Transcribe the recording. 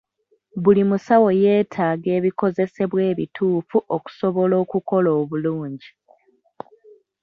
Buli musawo yeetaaga ebikozesebwa ebituufu okusobola okukola obulungi.